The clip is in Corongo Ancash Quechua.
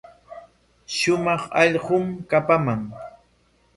Shumaq allqum kapaman.